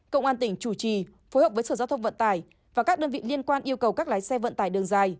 công an tỉnh chủ trì phối hợp với sở giao thông vận tải và các đơn vị liên quan yêu cầu các lái xe vận tải đường dài